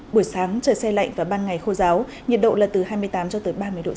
buổi sáng trời xe lạnh và ban ngày khô giáo nhiệt độ là từ hai mươi tám cho tới ba mươi độ c